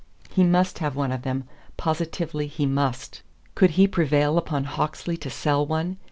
He must have one of them; positively he must. Could he prevail upon Hawksley to sell one?